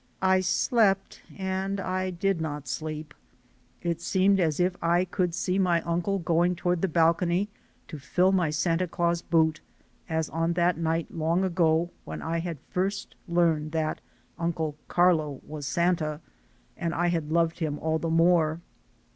I slept and I did not sleep. It seemed as if I could see my uncle going toward the balcony to fill my Santa Claus boot, as on that night long ago when I had first learned that Uncle Carlo was Santa, and I had loved him all the more.